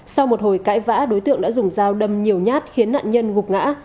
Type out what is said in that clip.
sau một hồi cãi vã đối tượng đã dùng dao đâm nhiều nhát khiến nạn nhân gục ngã